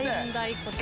こちら。